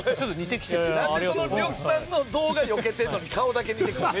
なんで呂布さんの動画よけてるのに顔だけ似てくるねん。